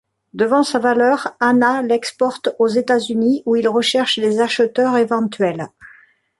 Devant sa valeur, Hanna l'exporte aux États-Unis où il recherche des acheteurs éventuels.